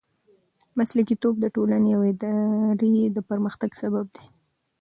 مسلکیتوب د ټولنې او ادارې د پرمختګ سبب دی.